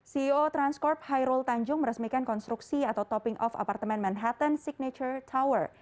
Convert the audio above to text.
ceo transcorp hairul tanjung meresmikan konstruksi atau topping off apartemen manhattan signature tower